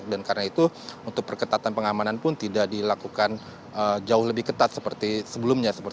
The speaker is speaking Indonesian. dan karena itu untuk perketatan pengamanan pun tidak dilakukan jauh lebih ketat seperti sebelumnya